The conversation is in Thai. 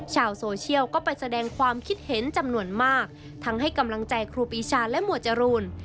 ชาวโซเชียลก็ไปแสดงความคิดเห็นจำนวนมากทั้งให้กำลังใจครูปีชาและหมวดจรูน